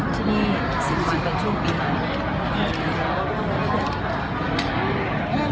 ที่นี่สินความเป็นช่วงปีมาก